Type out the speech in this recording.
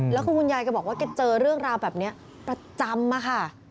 แล้วคือคุณยายแกบอกว่าแกเจอเรื่องราวแบบนี้ประจำอะค่ะ